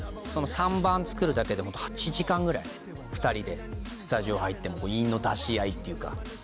３番作るだけでも８時間ぐらい２人でスタジオ入って韻の出し合いっていうか。